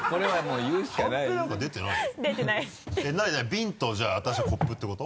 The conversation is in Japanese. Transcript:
ビンと私はコップってこと？